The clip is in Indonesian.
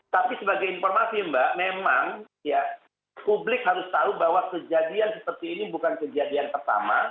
tapi sebagai informasi mbak memang publik harus tahu bahwa kejadian seperti ini bukan kejadian pertama